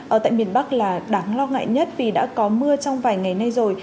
ở tại miền bắc là đáng lo ngại nhất vì đã có mưa trong vài ngày nay rồi